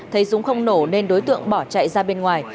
thấy súng không nổ nên đối tượng bỏ chạy ra bên ngoài